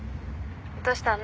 どうしたの？